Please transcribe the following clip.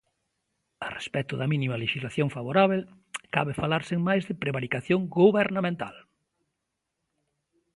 A respecto da mínima lexislación favorábel, cabe falar sen máis de prevaricación gobernamental.